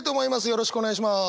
よろしくお願いします。